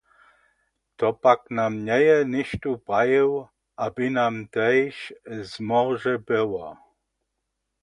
To pak nam njeje nichtó prajił a by nam tež smorže było.